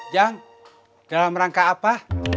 jang dalam rangka apa